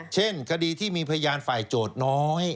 เช่นคดีที่มีพยานฝ่ายโจทย์น้อย